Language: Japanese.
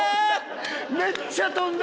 めっちゃ飛んだ！